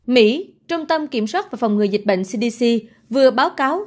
mỹ trung tâm kiểm soát và phòng ngừa dịch bệnh cdc vừa báo cáo